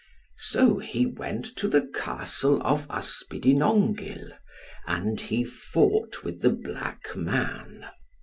So he went to the Castle of Ysbidinongyl, and he fought with the black man.